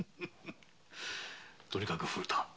とにかく古田。